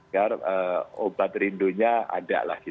karena obat rindunya ada lah gitu